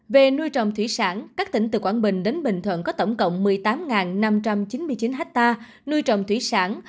về nuôi trồng thủy sản các tỉnh từ quảng bình đến bình thuận có tổng cộng một mươi tám năm trăm chín mươi chín hectare nuôi trồng thủy sản